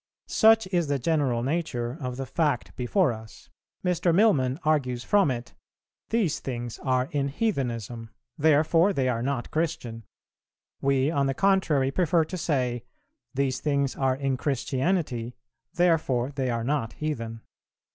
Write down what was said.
Such is the general nature of the fact before us; Mr. Milman argues from it, 'These things are in heathenism, therefore they are not Christian:' we, on the contrary, prefer to say, 'these things are in Christianity, therefore they are not heathen.'